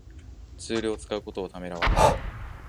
ツールを使うことをためらわない